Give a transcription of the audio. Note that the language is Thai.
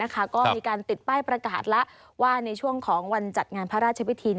ก็มีการติดป้ายประกาศแล้วว่าในช่วงของวันจัดงานพระราชพิธี